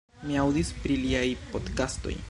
Mi aŭdis pri liaj podkastoj